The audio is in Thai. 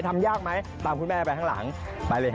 ทำยากไหมตามคุณแม่ไปข้างหลังไปเลยฮ